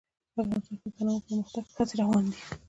افغانستان کې د تنوع د پرمختګ هڅې روانې دي.